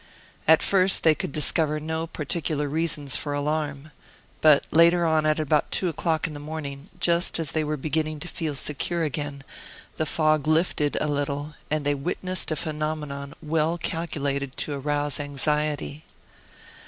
At first they could discover no particular reasons for alarm. But later on, at about two o'clock in the morning, just as they were beginning to feel secure again, the fog lifted a little, and they witnessed a phenomenon well calculated to arouse anxiety.